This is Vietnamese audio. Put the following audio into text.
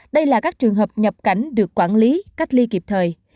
đây là các trường hợp nhập cảnh được quản lý cách ly kịp thời